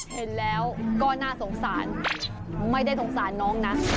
เห็นแล้วก็น่าสงสารไม่ได้สงสารน้องนะ